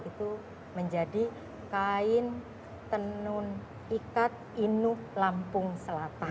itu menjadi kain penuh ikat inuh lampung selatan